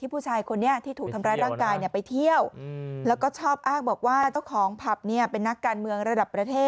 ที่ผู้ชายคนเนี่ยที่ถูกทำร้ายร่างกายเนี่ยไปเที่ยว